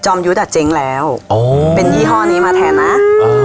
จอมยุดอ่ะเจ๊งแล้วอ๋อเป็นยี่ห้อนี้มาแทนนะอ๋อครับ